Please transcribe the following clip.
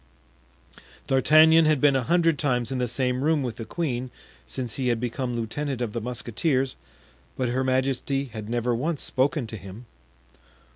D'Artagnan had been a hundred times in the same room with the queen since he had become lieutenant of the musketeers, but her majesty had never once spoken to him.